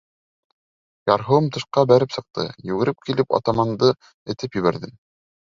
Ярһыуым тышҡа бәреп сыҡты, йүгереп килеп Атаманды этеп ебәрҙем.